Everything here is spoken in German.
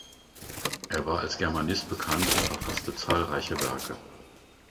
Er war als Germanist bekannt und verfasste zahlreiche Werke.